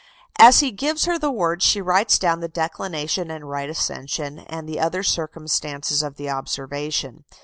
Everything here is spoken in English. As he gives her the word, she writes down the declination and right ascension, and the other circumstances of the observation.